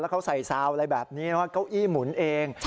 แล้วเขาใส่ซาวน์อะไรแบบนี้แล้วก็เก้าอี้หมุนเอง